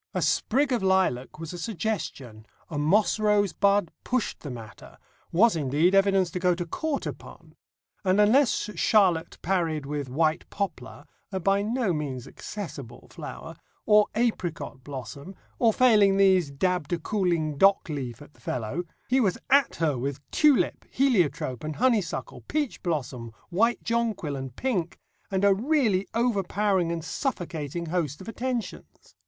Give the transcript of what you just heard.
A sprig of lilac was a suggestion, a moss rosebud pushed the matter, was indeed evidence to go to court upon; and unless Charlotte parried with white poplar a by no means accessible flower or apricot blossom, or failing these dabbed a cooling dock leaf at the fellow, he was at her with tulip, heliotrope, and honeysuckle, peach blossom, white jonquil, and pink, and a really overpowering and suffocating host of attentions.